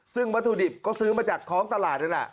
ซึ่งวัตถุดิบก็ซื้อมาจากท้องตลาดนั่นแหละ